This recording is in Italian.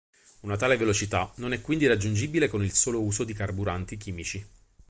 Una tale velocità non è quindi raggiungibile con il solo uso di carburanti chimici.